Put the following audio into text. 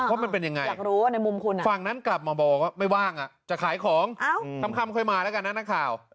ว่ามันเป็นยังไงฝั่งนั้นกลับมาบอกว่าไม่ว่างจะขายของทำคำค่อยมาแล้วกันนะหน้าข่าว